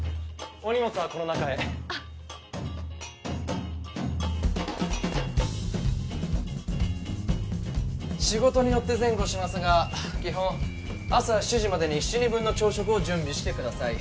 お荷物はこの中へ仕事によって前後しますが基本朝７時までに７人分の朝食を準備してください